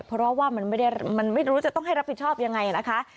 เพราะว่ามันไม่รู้จะต้องให้รับผิดชอบยังไงนะคะ